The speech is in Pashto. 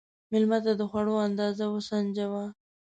مېلمه ته د خوړو اندازه وسنجوه.